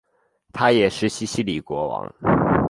他也是西西里国王。